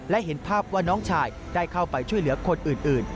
และเห็นภาพว่าน้องชายได้เข้าไปช่วยเหลือคนอื่น